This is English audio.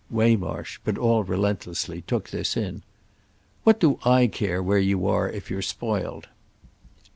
Waymarsh—but all relentlessly—took this in. "What do I care where you are if you're spoiled?"